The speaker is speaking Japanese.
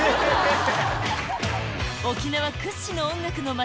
沖縄屈指の音楽の街